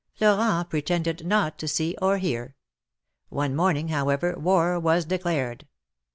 Florent pretended not to see or hear. One morning, however, war was declared.